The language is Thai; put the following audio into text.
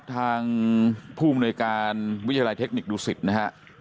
ท่านผู้มนุยการวิทยาลัยเทคนิคดุสิตนะครับ